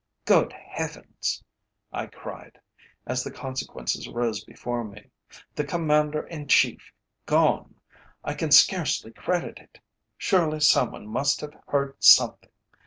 Good Heavens!" I cried, as the consequences rose before me, "the Commander in Chief gone! I can scarcely credit it. Surely some one must have heard something?